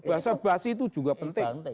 bahasa bahasa itu juga penting